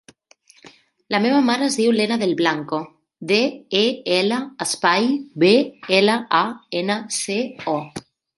La meva mare es diu Lena Del Blanco: de, e, ela, espai, be, ela, a, ena, ce, o.